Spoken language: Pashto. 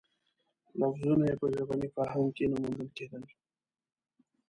لفظونه یې په ژبني فرهنګ کې نه موندل کېدل.